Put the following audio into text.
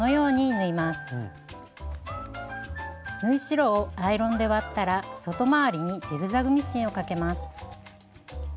縫い代をアイロンで割ったら外回りにジグザグミシンをかけます。